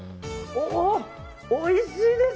おー、おいしいです。